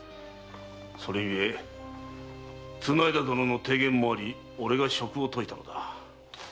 それゆえ綱條殿の提言もあり俺が職を解いたのだ。